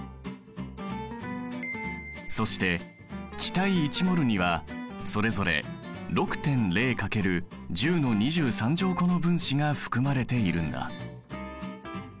そして気体１ｍｏｌにはそれぞれ６．０×１０個の分子が含まれているんだ。